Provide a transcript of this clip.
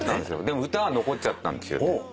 でも歌は残っちゃったんですよね。